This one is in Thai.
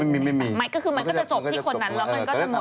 ก็คือมันก็จะจบที่คนนั้นแล้วก็จะหมดใช่ไหม